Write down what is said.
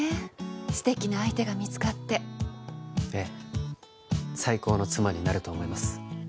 素敵な相手が見つかってええ最高の妻になると思います